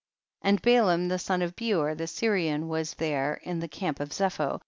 26. And Balaam the son of Beor the Syrian was there in the camp of Zepho.